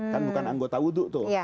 kan bukan anggota wudhu tuh